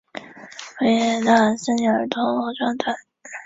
阿迦汗大学是一座位于巴基斯坦卡拉奇的私立研究型大学。